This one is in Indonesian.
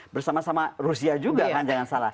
bersama sama rusia juga kan jangan salah